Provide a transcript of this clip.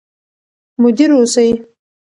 مدیر اوسئ.